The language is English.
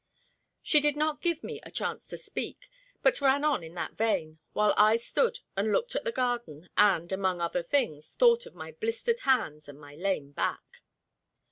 She did not give me a chance to speak, but ran on in that vein, while I stood and looked at the garden and, among other things, thought of my blistered hands and my lame back.